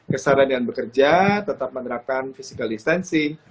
kesadaran dengan bekerja tetap menerapkan physical distancing